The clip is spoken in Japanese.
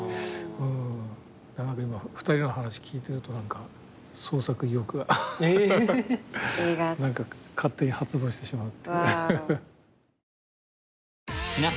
今２人の話聞いてると何か創作意欲が勝手に発動してしまうっていう。